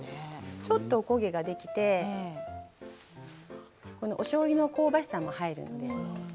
ちょっとおこげができておしょうゆの香ばしさも入るので。